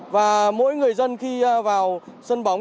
và mỗi người dân khi vào sân bóng